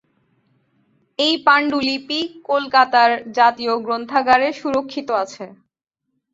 এই পাণ্ডুলিপি কলকাতার জাতীয় গ্রন্থাগারে সুরক্ষিত আছে।